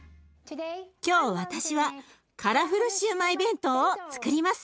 今日私はカラフルシューマイ弁当をつくります。